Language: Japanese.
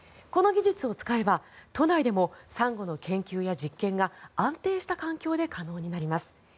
この技術を使えば都内でもサンゴの研究や実験が安定した環境で可能になります。